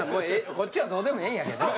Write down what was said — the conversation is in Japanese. こっちはどうでもええんやけどね。